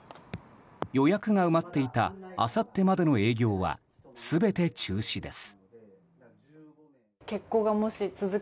予約が埋まっていたあさってまでの営業は全て中止です。